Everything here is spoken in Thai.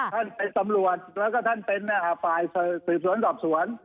ท่านเป็นตำรวจแล้วก็จะก็ให้ได้ภายส่วนสอบส่วน